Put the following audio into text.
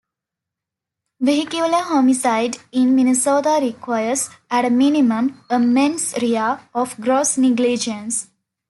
Vehicular homicide in Minnesota requires, at a minimum, a "mens rea" of gross negligence.